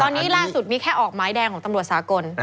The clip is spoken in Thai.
ตอนนี้ล่าสุดมีแค่ออกหมายแดงของตำรวจสากล